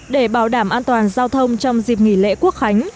để bảo đảm an toàn giao thông trong dịp nghỉ lễ quốc khánh